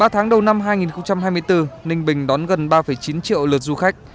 ba tháng đầu năm hai nghìn hai mươi bốn ninh bình đón gần ba chín triệu lượt du khách